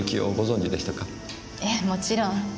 ええもちろん。